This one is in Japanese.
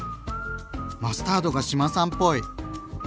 マスタードが志麻さんっぽい。